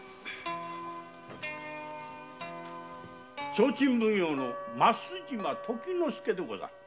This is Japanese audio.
提灯奉行の増島時之介でござる。